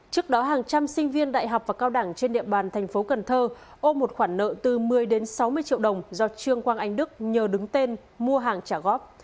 trước đó hàng trăm sinh viên đại học và cao đẳng trên địa bàn thành phố cần thơ ôm một khoản nợ từ một mươi đến sáu mươi triệu đồng do trương quang anh đức nhờ đứng tên mua hàng trả góp